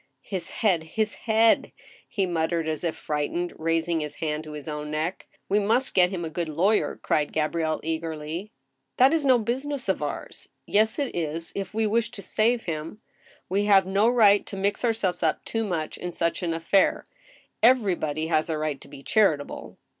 " His head — his head !" he muttered as if frightened, raising his hand to his own neck. " We must get him a good lawyer," cried Gabrielle, eagerly. " That is no business of ours." " Yes it is, if we wish to save him." " We have no right to mix ourselves up too much in such an affair." " Everybody has a right to be charitable."